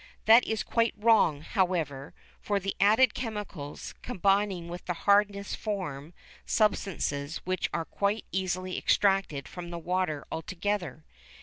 That is quite wrong, however, for the added chemicals, combining with the "hardness," form substances which are quite easily extracted from the water altogether.